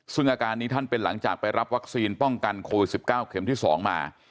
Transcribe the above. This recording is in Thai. ซึ่งอาการนี้ท่านเป็นหลังจากไปรับวัคซีนป้องกันโควิด๑๙เข็มที่๒มา